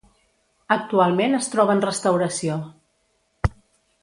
Actualment es troba en restauració.